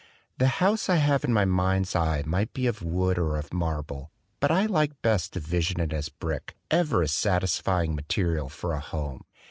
The house I have in my mind's eye might be of wood or of marble; but I like best to vision it as of brick, ever a satisfying material for a home.